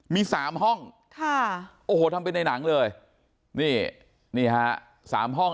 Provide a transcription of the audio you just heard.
มีสามห้องค่ะโอ้โหทำเป็นในหนังเลยนี่นี่ฮะสามห้อง